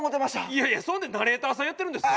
いやいやそれでナレーターさんやってるんですか？